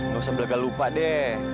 gak usah belaka lupa deh